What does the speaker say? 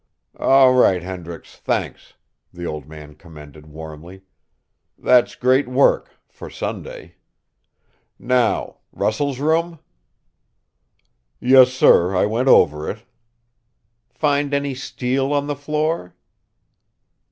"All right, Hendricks; thanks," the old man commended warmly. "That's great work, for Sunday. Now, Russell's room?" "Yes, sir; I went over it." "Find any steel on the floor?"